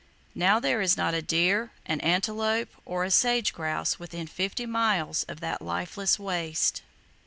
Now there is not a deer, an antelope, or a sage grouse within fifty miles of that lifeless waste.